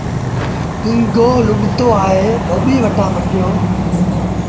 پيٚنگو لوڙتو آئي ڌوٻيٚ وٽآن مٽيو۔